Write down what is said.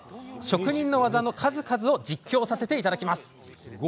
職人の方の技の数々を実況させていただきます。